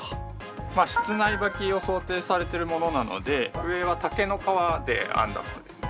まあ室内履きを想定されてるものなので上は竹の皮で編んだものですね。